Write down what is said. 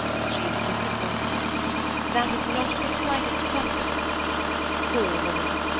She is disappointed. That is not of the slightest consequence. Poor woman!